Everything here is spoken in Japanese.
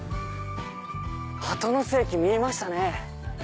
「鳩ノ巣駅」見えましたね。